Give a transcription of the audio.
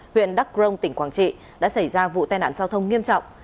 huyện đắc grông tỉnh quảng trị đã xảy ra vụ tên nạn giao thông nghiêm trọng